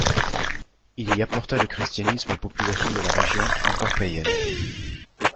Il y apporta le christianisme aux populations de la région, encore païennes.